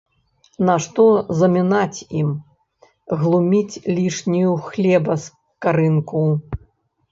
Нашто замінаць ім, глуміць лішнюю хлеба скарынку.